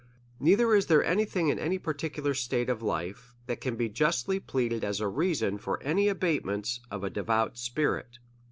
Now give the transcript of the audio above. Neither is there a iy thing, in any particular state of life, that can be justly pleaded as a reason for any abatement of a devout spirit.